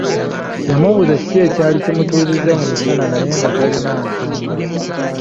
Yamubuuza kiki ekyali kimutuuzizza mu musana naye nga talina nsonga.